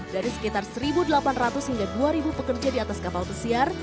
dari sekitar satu delapan ratus hingga dua pekerja di atas kapal pesiar